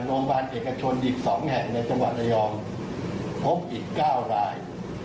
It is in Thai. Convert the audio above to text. โรงพยาบาลเอกชนอีก๒แห่งในจังหวัดระยองพบอีก๙ราย